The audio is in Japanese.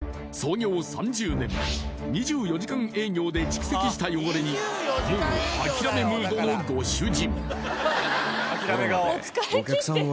中華特有の油汚れ、更に創業３０年、２４時間営業で蓄積した汚れにもうあきらめムードのご主人。